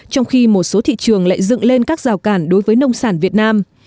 trong khi một số thị trường lại dựng lên các rào cản đối với nông sản việt nam